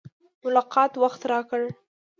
ملاقات وخت راکړ.